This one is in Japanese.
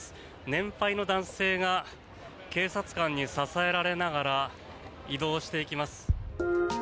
年配の男性が警察官に支えられながら移動していきます。